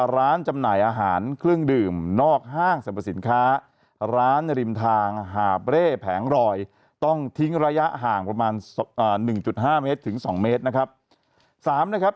ระยะห่างประมาณ๑๕เมตรถึง๒เมตรนะครับ